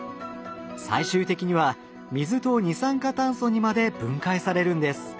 最終的には水と二酸化炭素にまで分解されるんです。